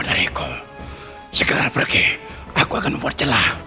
jangan pergi aku akan mempercelah